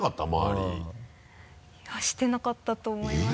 してなかったと思います。